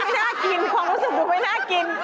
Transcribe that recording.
น่ากินความรู้สึกดูไม่น่ากิน